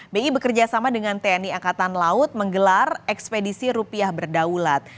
bi bekerjasama dengan tni angkatan laut menggelar ekspedisi rupiah berdaulat